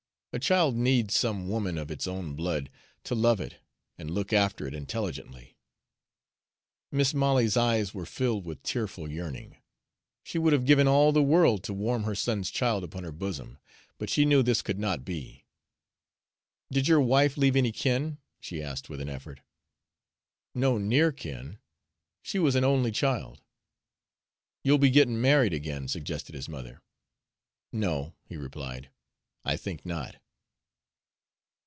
A child needs some woman of its own blood to love it and look after it intelligently." Mis' Molly's eyes were filled with tearful yearning. She would have given all the world to warm her son's child upon her bosom; but she knew this could not be. "Did your wife leave any kin?" she asked with an effort. "No near kin; she was an only child." "You'll be gettin' married again," suggested his mother. "No," he replied; "I think not."